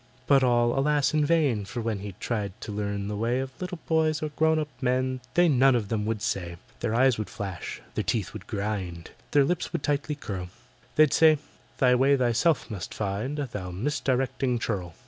But all, alas! in vain, for when He tried to learn the way Of little boys or grown up men, They none of them would say. Their eyes would flash—their teeth would grind— Their lips would tightly curl— They'd say, "Thy way thyself must find, Thou misdirecting churl!"